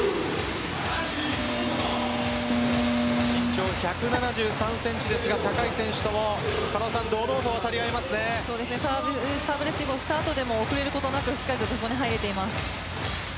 身長１７３ｃｍですが背が高い選手ともサーブレシーブをした後でも遅れることなくしっかりと助走に入れています。